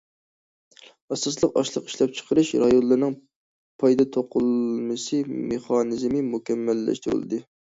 ئاساسلىق ئاشلىق ئىشلەپچىقىرىش رايونلىرىنىڭ پايدا تولۇقلىمىسى مېخانىزمى مۇكەممەللەشتۈرۈلىدۇ.